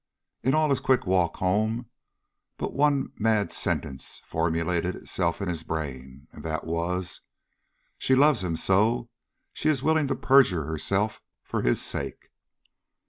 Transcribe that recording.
In all his quick walk home but one mad sentence formulated itself in his brain, and that was: "She loves him so, she is willing to perjure herself for his sake!"